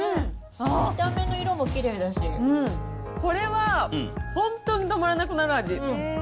見た目の色もきれいだし、これは本当に止まらなくなる味。